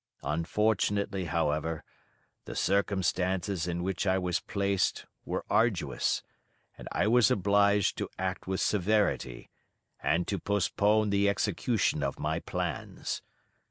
Unfortunately, however, the circumstances in which I was placed were arduous, and I was obliged to act with severity, and to postpone the execution of my plans.